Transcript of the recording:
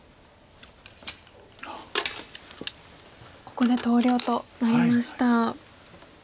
ここで投了となりました。